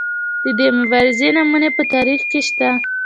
د دې مبارزې نمونې په تاریخ کې شته.